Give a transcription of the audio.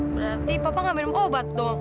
berarti papa gak minum obat dong